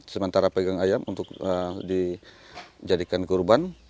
sementara pegang ayam untuk dijadikan kurban